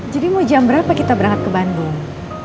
jadi mau jam berapa kita berangkat ke bandung